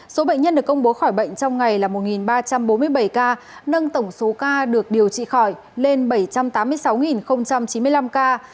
số bệnh nhân được công bố khỏi bệnh trong ngày là một ba trăm bốn mươi bảy ca nâng tổng số ca được điều trị khỏi lên bảy trăm tám mươi sáu chín mươi năm ca